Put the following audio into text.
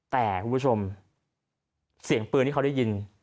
แต่คุณผู้ชมเสียงปืนที่เขาได้ยิน